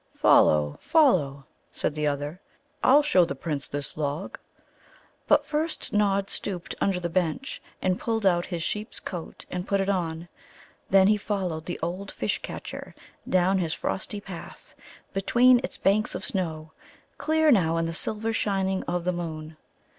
"Follow, follow," said the other. "I'll show the Prince this log." But first Nod stooped under the bench, and pulled out his sheep's coat and put it on. Then he followed the old Fish catcher down his frosty path between its banks of snow, clear now in the silver shining of the moon.